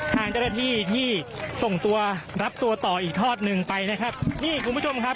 ทางเจ้าหน้าที่ที่ส่งตัวรับตัวต่ออีกทอดหนึ่งไปนะครับนี่คุณผู้ชมครับ